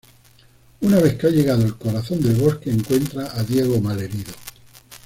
Una vez que ha llegado al corazón del bosque, encuentra a Diego malherido.